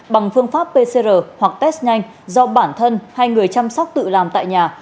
bằng phương pháp pcr hoặc test nhanh do bản thân hay người chăm sóc tự làm tại nhà